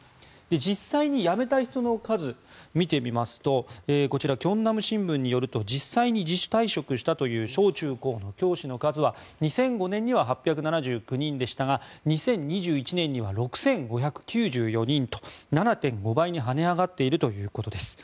実際に辞めた人の数見てみますとこちら、慶南新聞によると実際に自主退職したという小中高の教師の数は２００５年には８７９人でしたが２０２１年には６５９４人と７．５倍に跳ね上がっているということです。